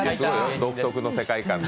独特の世界観で。